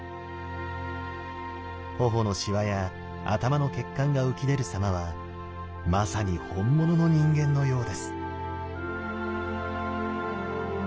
頬のしわや頭の血管が浮き出るさまはまさに本物の人間のようです。